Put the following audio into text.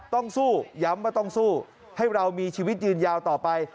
ต้องสู้ย้ำว่าต้องสู้ให้เรามีชีวิตยืนยาวต่อไป